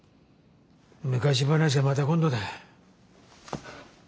昔話はまた今度だ。